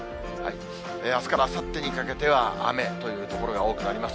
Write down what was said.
あすからあさってにかけては雨という所が多くなります。